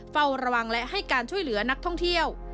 เฝ้าระวังและให้การช่วยเหลือนักท่องเที่ยว